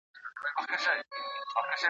پر مزار د شالمار دي انارګل درته لیکمه !.